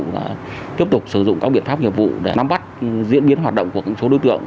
và tiếp tục sử dụng các biện pháp nghiệp vụ để nắm bắt diễn biến hoạt động của số đối tượng